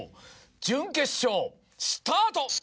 準決勝スタート！